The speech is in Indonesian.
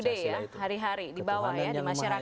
day to day ya hari hari di bawah ya di masyarakat